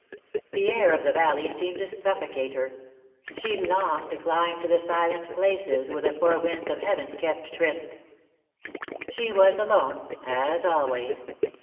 The air of the valley seemed to suffocate her; she longed to climb to the silent places, where the four winds of heaven kept tryst. She was alone, as always.